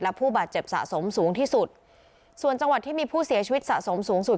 และผู้บาดเจ็บสะสมสูงที่สุดส่วนจังหวัดที่มีผู้เสียชีวิตสะสมสูงสุด